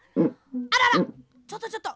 あららちょっとちょっと！